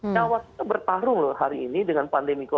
nah waktu itu bertarung loh hari ini dengan pandemi corona